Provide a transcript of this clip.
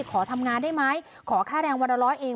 ขอทำงานได้ไหมขอค่าแรงวันละร้อยเอง